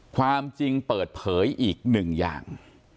ความจริงเปิดเผยอีกหนึ่งอย่าง